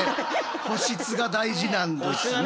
保湿がね大事なんだね。